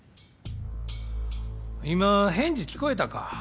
今返事聞こえたか？